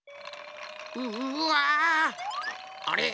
うわ！あれ？